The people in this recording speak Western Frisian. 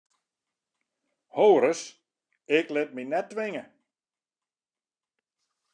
Ho ris, ik lit my net twinge!